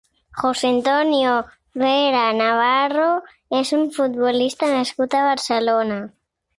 José Antonio Vera Navarro és un futbolista nascut a Barcelona.